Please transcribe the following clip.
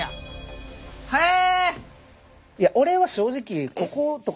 へえ！